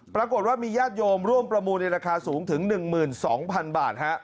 ปรากฏว่ามีญาติโยมร่วมประมูลในราคาสูงถึง๑๒๐๐๐บาท